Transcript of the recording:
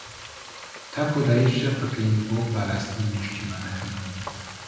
تا کۆتایی شەڕ دەکەین بۆ پاراستنی نیشتمانەکەمان.